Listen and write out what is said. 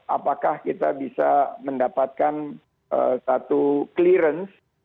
apakah kita bisa mendapatkan satu clearance